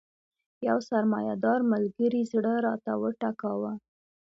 یو سرمایه دار ملګري زړه راته وټکاوه.